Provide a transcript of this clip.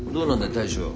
大将。